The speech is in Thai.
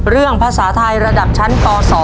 ภาษาไทยระดับชั้นป๒